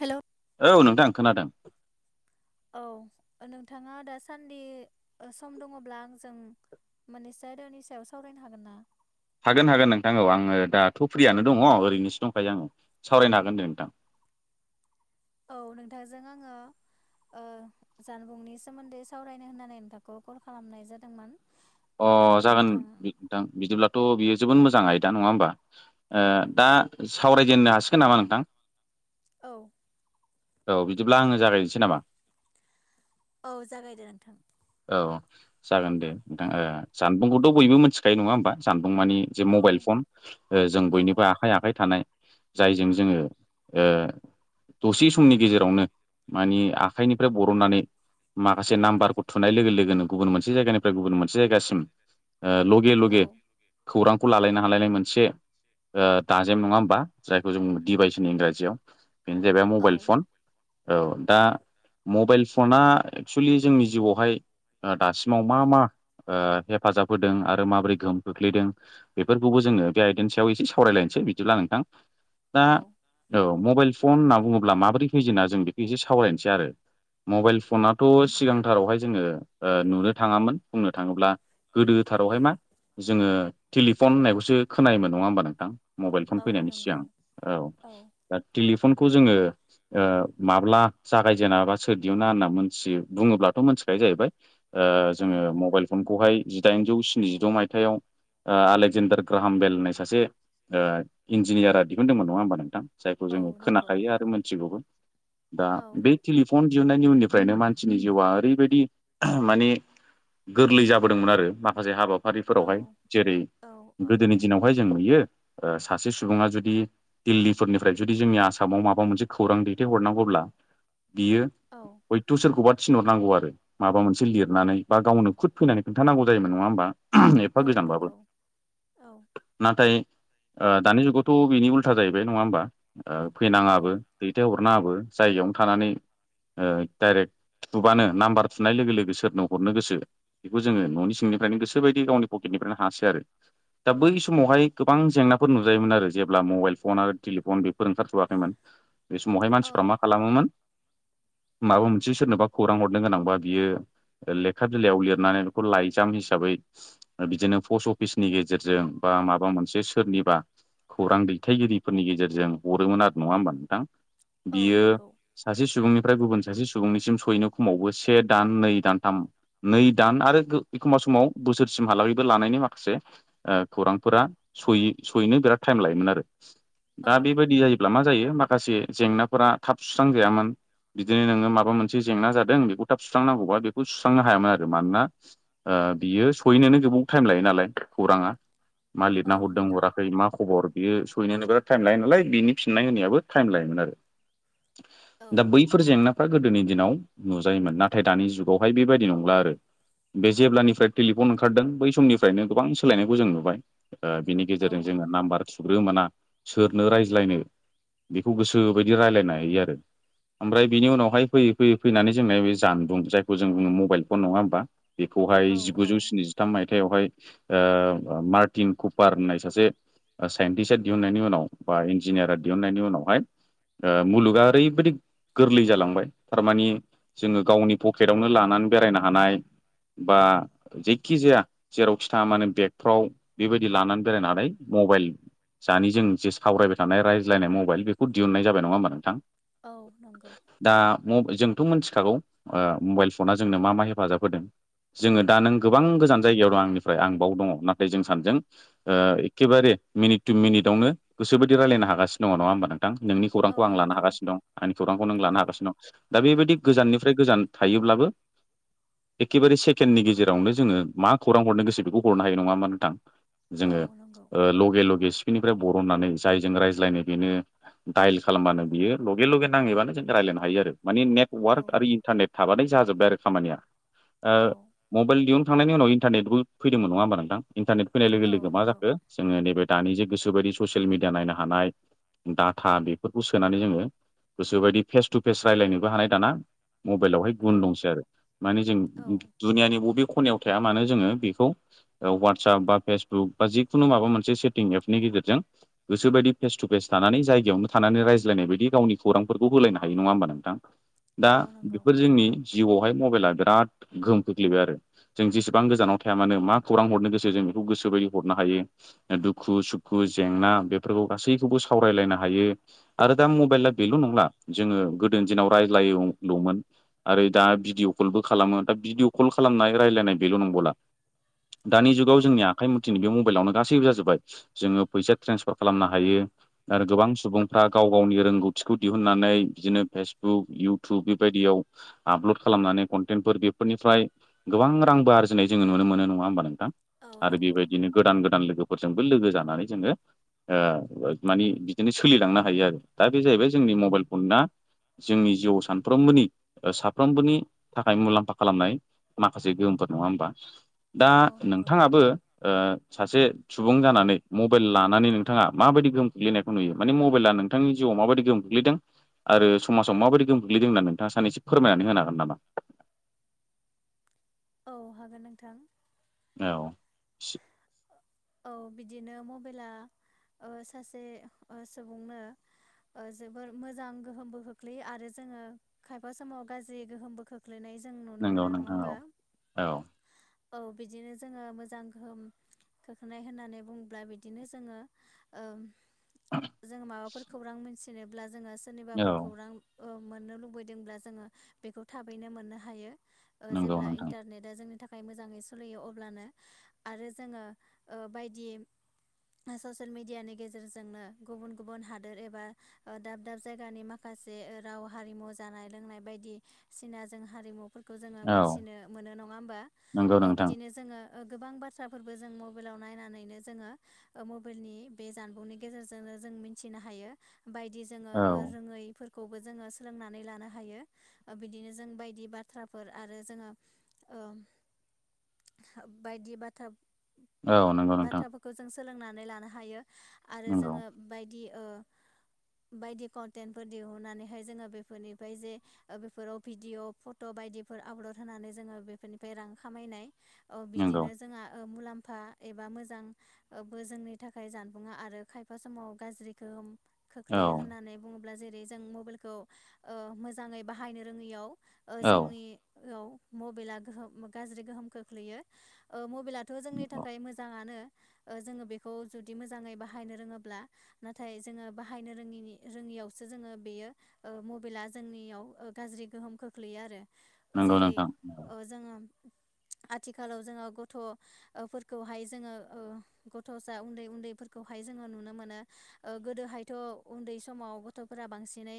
हेल' औ नोंथां खोनादों [inaudible] औ नोंथाङा दासान्दि ओ सम दङ'ब्ला आंजों माननैसो आयदानि सायाव सावरायनो हागोन ना? हागोन हागोन नोंथां औ आङो दाथ' फ्रियानो दङ' ओरैनोसो दंखायो आङो सावरायनो हागोन दे नोंथां औ नोंथांजों आङो ओ जानबुंनि सोमोन्दै सावरायनो होननानै नोंथांखौ कल खालामनाय जादोंमोन अ औ जागोन नोंथां बि थां बिदिब्लाथ' बियो जोबोद मोजां आयदा नङा होमबा ओ औ दा सावरायजेननो हासिगोन नामा नोंथां? औ औ बिदिब्ला आङो जागायनोसै नामा? औ जागायदो नोंथां। औ जागोन दे नोंथां ओ जानबुंखौथ' बयबो मिथिखायो नङा होमबा जानबुं माने जे औ मबाइल फन ओ जों औ बयनिबो आखाइ आखाइ थानाय जायजों जोङो ओ दसे समनि गेजेरावनो माने आखाइनिफ्राय बरननानै माखासे नाम्बारखौ थुनाय लोगो लोगोनो गुबुन मोनसे जायगानि गुबुन मोनसे जायगासिम ओ लगे औ लगे खौरांखौ लालायनो हालायनाय मोनसे ओ दाजेम नङा होमबा जायखौ जों डिभाइस होनो इंराजियाव बेनो जाहैबाय औ मबाइल फन। औ दा मबाइल फना एक्सुलि जोंनि जिउआवहाय ओ दासिमाव मा मा ओ हेफाजाब होदों आरो माबोरै गोहोम खोख्लैदों बेफोरखौबो जोङो बे आइदानि सायाव एसे सावरायलायनोसै बिदिब्ला नोंथां दा औ औ मबाइल फन होनना बुङोब्ला माबोरै फैजेना जों बेखौ एसे सावरायनोसै आरो। मबाइल फनाथ' सिगांथारावहाय जोङो ओ नुनो थाङामोन बुंनो थाङोब्ला गोदोथारावहाय मा जोङो टेलिफन होननायखौसो खोनायोमोन नङा होमबा नोंथां मबाइल फन औ फैनायनि नंगौ सिगां औ। औ दा टेलिफनखौ जोङो ओ माब्ला जागायजेना बा सोर दिहुना होनना मिथियो बुङोब्लाथ' मोनथिखायो जाहैबाय। ओ औ जोङो मबाइल फनखौहाय जिदाइनजौ स्निजिद' मायथाइयाव आलेकजेन्डार ग्राहाम बेल होननाय सासे ओ इन्जिनियारा दिहुनदोंमोन नङा होमबा नोंथां? जायखौ जोङो औ नंगौ खोनाखायो आरो मोनथिगौबो दा औ बे टेलिफन दिहुननायनि उननिफ्रायनो मानसिनि जिउआ ओरैबायदि माने गोरलै जाबोदोंमोन आरो माखासे हाबा औ फारिफोरावहाय जेरै औ औ गोदोनि दिनावहाय जों नुयो ओ सासे सुबुङा जुदि दिल्लिफोरनिफ्राय जुदि जोंनि आसामाव माबा मोनसे खौरां दैथायहरनांगौब्ला बियो औ। हयथ' सोरखौबा थिनहरनांगौ आरो माबा मोनसे लिरनानै बा गावनो खुद फैनानै खोन्थानांगौ जायोमोन नङा होमबा? एफा औ गोजानबाबो। नंगौ औ नाथाय ओ दानि जुगावथ' बिनि उल्था जाहैबाय नङा होमबा ओ औ फैनाङाबो दैथायहरनाङाबो जायगायावनो थानानै ओ डाइरेक्ट थुबानो नाम्बार थुनाय लोगो लोगो सोरनो हरनो गोसो बेखौ जोङो न'नि सिंनिफ्रायनो गोसोबायदि गावनि पकेटनिफ्रायनो हासै आरो। दा बै समावहाय गोबां जेंनाफोर नुजायोमोन आरो जेब्ला मबाइल फन आरो टेलिफन बेफोर ओंखारथ'वाखैमोन। बे समावहाय औ मानसिफ्रा मा खालामोमोन माबा मोनसे सोरनोबा खौरां हरनो गोनांबा बियो लेखा बिलाइयाव लिरनानै बेखौ लाइजाम हिसाबै बिदिनो पस्ट अफिसनि गेजेरजों बा माबा मोनसे सोरनिबा खौरां दैथायगिरिफोरनि गेजेरजों हरोमोन आरो नङा होमबा नोंथां? औ बियो नंगौ सासे सुबुंनिफ्राय गुबुन सासे सुबुंनिसिम सहैनो खमावबो से दान नै दान थाम नै दान आरो एखमबा समाव बोसोरसिमहालागैबो लानायनि माखासे ओ खौरांफोरा सहै सहैनो बिराद थाइम लायोमोन आरो औ दा बेबायदि जायो ब्ला मा जायो माखासे जेंनाफोरा थाब सुस्रांजायामोन। बिदिनो नोङो माबा मोनसे जेंना जादों बेखौ थाब सुस्रांनांगौबा बे खौ सुस्रांनो हायामोन आरो मानोना ओ बियो सहैनोनो गोबाव थाइम लायो नालाय खौराङा। मा औ लिरना हरदों नंगौ हराखै मा खबर। बियो सहैनोनो बिराद थाइम लायो नालाय बिनि फिननाय होनायाबो थाइम लायोमोन आरो औ दा बै फोर जेंनाफ्रा गोदोनि दिनाव नुजायोमोन नाथाय दानि जुगावहाय बेबायदि नंला आरो। बे जेब्लानिफ्राय टेलिफन ओंखारदों बै समनिफ्रायनो गोबां सोलायनायखौ जों नुबाय। बिनि औ गेजेरजों जोङो नाम्बार थुग्रो मोना सोरनो रायज्लायनो बेखौ गोसोबायदि रायलायनो हायो आरो। ओमफ्राय बिनि उनावहाय फैयै फैयै फैनानै जोंना बे जानबुं जाय जों जोङो मबाइल फन नङा होमबा बेखौहाय औ औ जिगुजौ स्नि जि थाम मायथाइयावहाय ओ मार्टिन कुपार होननाय सासे साइन्टिस्टआ दिहुननायनि उनाव बा इन्जिनियारा दिहुननायनि उनावहाय ओ मुलुगा ओरैबायादि गोरलै जालांबाय थारमानि जोङो गावनि पखेटआवनो लानानै बेरायनो हानाय बा जेखि जाया जेरावखि थाङा मानो बेगफ्राव बेबायदि लानानै बेरायनानै मबाइल जानि जों जे सावरायबाय थानाय रायज्लायनाय मबाइल बेखौ दिहुननाय जाबाय नङा होमबा नोंथां। औ नंगौ। दा म जोंथ' मिथिखागौ ओ मबाइल फना जोंनो मा मा हेफाजाब होदों। जोङो दा नै गोजान जायगायाव आंनिफ्राय आं बावनो मिनिट टु मिनिटआवनो गोसो बायदि रायलायनो हागासिनो दङ नङा होमबा नोंथां औ नों गोबां गोजान जायगायाव दं आंनिफ्राय आं बाव दङ नाथाय जों सानैजों ओ एखेबारे मिनिट टु मिनिटआवनो गोसो बायदि रायलायनो हागासिनो दङ नङा होमबा नोंथां। नोंनि खौरांखौ आं लानो नंगौ हागासिनो दं आंनि खौरांखौ नों औ लानो हागासिनो दं दा बेबायदि औ गोजाननिफ्राय गोजान। थायोब्लाबो एखेबारे सेकेण्डनि गेजरावनो जोङो मा खौरां हरनो गोसो बेखौ हरनो हायो नङा होनबा नोंथां। औ जोङो नंगौ ओ लगे लगे सिफिनिफ्राय बरननानै जायजों रायज्लायनो बेनो दाइल खालामबानो बियो लगे लगे नांहैबानो जों रायज्लायनो हायो आरो माने नेट औ वार्क आरो इन्टारनेट थाबानाय जाजोब्बाय आरो खामानिया औ ओ। मबाइल दिहुनखांनायनि उनाव इन्टारनेटबो फैदोंमोन नङा होनबा नोंथां इन्टारनेट फैनाय औ लोगो मा नंगौ जाखो जोङो नैबे दानि जे गोसोबायदि ससियेल मिडिया नायनो हानाय। डाटा बेफोरखौ सोनानै जोङो गोसोबायदि फेस टु फेस रायज्लायनोबो हानाय दाना। मबाइलावहाय औ गुन दंसै आरो माने जों औ दुनियानि बबे खनायाव थाया मानो जोङो बेखौ ओ वाट्सआप बा फेसबुक बा जिखुनु माबा मोनसे सेटिं एपनि गेजेरजों। गोसो बायदि फेस टु फेस थानानै जायगायावनो थानानै रायज्लायनाय बायदि गावनि खौरांफोरखौ होलायनो हायो नङा होमबा नोंथां। दा औ नंगौ बेफोर जोंनि जिउआवहाय मबाइला बिराद गोहोम खोख्लैबाय आरो। जों जेसेबां गोजानाव थाया मानो मा खौरां हरनो गोसो जों बेखौ गोसोबायदि हरनो हायो। दुखु सुखु जेंना बेफोरखौ गासैखौबो सावरायलायनो हायो। आरो दा मबाइला बेल' नंला जोङो गोदोनि दिनाव रायज्लायोल'मोन। आरो दा भिडिअ कलबो खालामो दा भिडिअ कल खालामनाय रायज्लायनाय बेल' नंबावला दानि औ जुगाव जोंनि आखाइ मुथिनि बे मबाइलावनो गासैबो जाजोबबाय। जोङो फैसा ट्रेन्सफार खालामनो हायो। आरो गोबां सुबुंफ्रा गाव गावनि रोंगौथिखौ दिहुननानै बिदिनो फेसबुक इउटुब बेबायदियाव आपल'ड खालामनानै कन्टेन्टफोर बेफोरनिफ्राय गोबां रांबो आरजिनाय जोङो नुनो मोनो नङा होमबा नोंथां औ आरो नंगौ बेबायदिनो गोदान गोदान लोगोफोरजोंबो लोगो जानानै जोङो ओ मानि बिदिनो सोलिलांनो हायो आरो दा बे जाहैबाय जोंनि मबाइल फना जोंनि जिउआव सानफ्रोमबोनि ओ साफ्रोमबोनि थाखाय मुलाम्फा खालामनाय माखासे गोहोमफोर नङा होमबा। दा औ नंगौ नोंथाङाबो ओ सासे सुबुं जानानै मबाइल लानानै नोंथाङा माबायदि गोहोम खोलैनायखौ नुयो माने मबाइला नों नोंथांनि जिउआव माबायदि खोखलैदों आरो समाजाव माबायदि गोग्लैदों होननानै नोंथाङा सानैसो फोरमायनानै होनो हागोन नामा नोंथां। औ हागोन नोंथां। औ औ बिदिनो मबाइला ओ सासे ओ सुबुंनो ओ जोबोर मोजां गोहोमबो खोख्लैयो आरो जोङो खायफा समाव गाज्रि गोहोमबो खोख्लैयो। खोख्लैनाय जों नुनो मोनो नंगौ नङा नोंथां होमबा औ औ औ बिदिनो जोङो मोजां गोहोम। खोखलैनाय होननानै बुंङोब्ला बिदिनो जोङो ओ जों माबाफोर खौरां मोनथिनोब्ला जोङो सोरनिबाफोर औ खौरां ओ मोननो लुबैदोंब्ला जोङो बेखौ थाबैनो मोननो हायो ओ नंगौ जेब्ला नोंथां इन्टारनेट दा जोंनि थाखाय मोजाङै सोलियो अब्लानो आरो जोङो ओ बायदि ससियेल मेडियानि गेजेरजोंनो गुबुन गुबुन हादोर एबा दाब दाब जायगानि माखासे राव हारिमु जानाय लोंनाय बायदिसिना जों हारिमु खौ जोङो औ मिथिनो मोनो नङा होमबा। नंगौ औ नोंथां बिदिनो जोङो गोबां बाथ्रा फोरबो जों मबाइलाव नायनानैनो जोङो मबाइलनि बे जानबुंनि गेजेरजोंनो जों मिथिनो हायो। बायदि जोङो औ रोङै फोरखौबो जोङो सोलोंनानै लानो हायो। बिदिनो जों बायदि बाथ्राफोर आरो जोङो ओं। बायदि बाथ्रा औ नंगौ नोंथां बाथ्राफोरखौ जों सोलोंनानै लानो हायो आरो नंगौ जोङो बायदि बायदि कन्टेन्टफोर दिहुननानैहाय जोङो बेफोरनिफ्राय जे बेफोराव भिडिअ फट' बायदिफोर आपलड होनानै जोङो बेफोरनिफ्राय रां खामायनाय नंगौ औ बिदिनो जोंहा मुलाम्फा एबा मोजां जोंनि थाखाय जानबुंङा आरो खायफा समाव गाज्रिखौ खोख्लैयो औ नंगौ होननानै बुङोब्ला जेरै जों मबाइलखौ मोजाङै बाहायनो रोङैयाव जोंनियाव मबाइला गोहोम गाज्रि गोहोम खो खख्लैयो। मबाइला थ' जोंनि थाखाय मोजाङानो जोङो बेखौ जुदि मोजाङै बाहायनो रोङोब्ला। नाथाय जोङो बाहायनो रोङिनि रोङियावसो जोङो बेयो मबाइला जोंनियाव गाज्रि गोहोम खोख्लैयो आरो। नंगौ जेरै- नोंथां जोङो आथिखालाव जोङो गथ' फोरखौहाय जोङो गथ'सा उन्दै उन्दैफोरखौहाय जोङो नुनो मोनो। गोदोहायथ' उन्दै समाव गथ'फोरा बांसिनै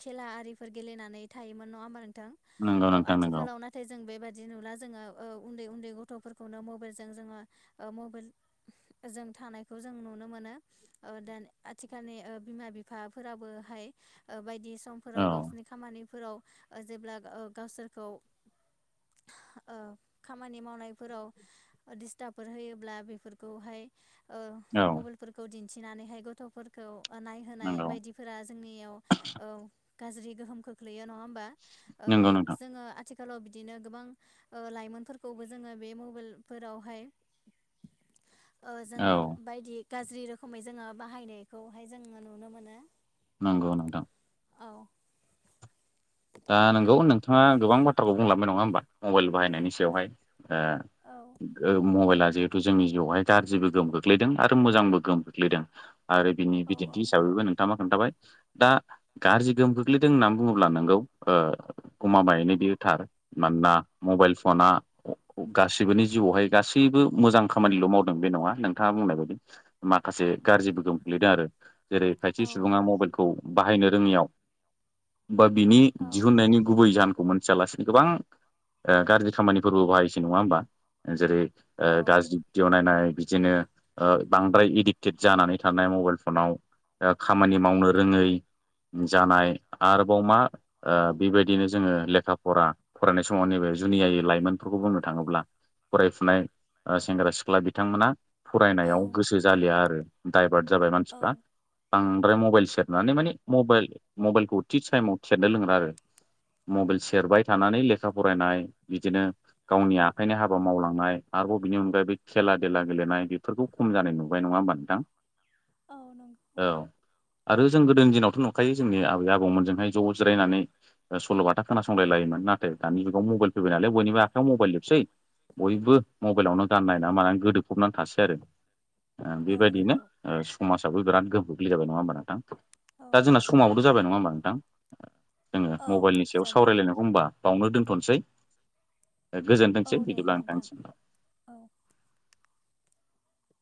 खेला आरिफोर गेलेनानै थायोमोन नङा होमबा नोंथां। नंगौ औ नोंथां नंगौ आथिखालाव नाथाय जों बेबायदि नुला। जोङो उन्दै उन्दै गथ'फोरखौ खौनो मबलजों जोङो मबाइल जों थानायखौ जों नुनो मोनो। दानि आथिखालनि बिमा बिफाफोराबोहाय बायदि औ समफोराव गावसिरनि खामानिफोराव जेब्ला गावसोरखौ खामानि मावनायफोराव दिस्टारबफोर होयोब्ला बेफोरखौहाय मबाइलफोरखौ दिन्थिनानैहाय गथ'फोर खौ नायहोनाय नंगौ बायदिफोरा जोंनियाव गाज्रि गोहोम खोख्लैयो नङा होमबा? बे नंगौ नोंथां जोङो आथिखालाव बिदिनो गोबां लाइमोनफोरखौबो जोङो बे मबाइल फोरावहाय जोङो औ बायदि गाज्रि रोखोमै जोङो बाहायनायखौहाय जोङो नुनो मोनो। नंगौ नोंथां। औ। दा नंगौ नोंथाङा गोबां बाथ्राखौ बुंलांबाय नङा होमबा मबाइल बाहायनायनि सायावहाय। औ। मबाइला जिहेतु जोंनि जिउआवहाय गाज्रिबो गोहोम खोख्लैदों आरो मोजांबो गोहोम खोख्लैदों। आरो बिनि औ औ बिदिन्थि हिसाबैबो नों थांआ खोन्थाबाय दा गाज्रि गोहोम खोख्लैदों होननानै बुङोब्ला नोंगौ ओ गमामायैनो बियो थार। मानोना मबाइल फना गासिबोनि जिउआवहाय गासैबो मोजां खामानिल' मावदों बे नङा। नोंथाङा बुंनाय बायदि माखासे गाज्रि गोहोम ख्लैदों आरो। जेरै खायसे औ सुबुङा मबाइलखौ बाहायनो रोङियाव बा बिनि औ दिहुननायनि गुबै जाहोनखौ मोनथियालासेनो गोबां गाज्रि खामानिफोरबो बाहायसै नङा होमबा। जेरै - गाज्रि भिडअ नायनाय, बिदिनो बांद्राय एडिक्टेड जानानै थानाय मबाइल फनाव खामानि मावनो रोङै जानाय, आरोबाव मा बे बायदिनो जोङो लेखा फरा फरायनाय समाव। नैबे जुनियायै लाइमोनफोरखौ बुंनो थाङोब्ला फरायफुनाय सेंग्रा सिख्ला बिथांमोना फरायनायाव औ गोसो जालिया आरो दाइभार्ट जाबाय औ मानसिफ्रा। बांद्राय मबाइल सेरनानै माने मबाइल मबाइलखौ थि टाइमाव सेरनो रोंला आरो। मबाइल सेरबाय थानानै लेखा फरायनाय, बिदिनो गावनि आखाइनि हाबा मावलांनाय आरोबाव बिनि अनगायैबो खेला देला गेलेनाय बेफोरखौ खम जानाय नुबाय नङा होमबा नोंथां। औ नंगौ। औ आरो जों गोदो दिनावथ' नुखायो जोंनि आबै आबौमोनजोंहाय होनानै सल'बाथा खोनासंलाय लायोमोन नाथाय दानि जुंगाल मबायल होबाय नालाय बयनिबो आखाइयाव मबाइल जोबसै बयबो मबाइलावनो गाननाय नना [unintelligible] मानानै गोदोफबनानै थासै आरो। औ बेबायदिनो नंगौ समाजाबो बिराद गोहोम गोग्लैजाबाय नङा होमबा नोंथां। औ दा जोंना समावथ' जाबाय नङा होमबा नोंथां जोङो औ मबाइलनि सायाव जाबाय सावरायलायनायखौ होनबा बावनो दोनथ'नोसै। औ गोजोनथोंसै दे बिदिब्ला नोंथां नंथां। [inaudible] औ।